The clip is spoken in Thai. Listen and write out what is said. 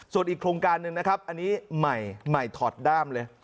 ส่วนอีกโครงการหนึ่งนะครับอันนี้ใหม่ถอดด้ามเลย